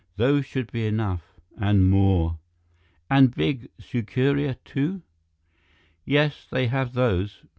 Those should be enough and more." "And big sucuria, too?" "Yes, they have those."